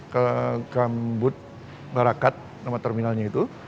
ke gambut marakat nama terminalnya itu